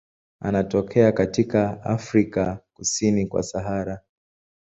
Anatokea katika Afrika kusini kwa Sahara.